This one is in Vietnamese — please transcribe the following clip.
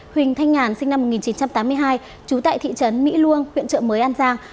huỳnh thanh nhàn sinh năm một nghìn chín trăm tám mươi hai trú tại thị trấn mỹ luông huyện trợ mới an giang